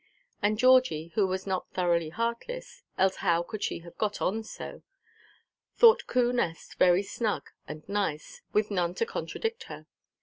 And Georgie—who was not thoroughly heartless, else how could she have got on so?—thought Coo Nest very snug and nice, with none to contradict her.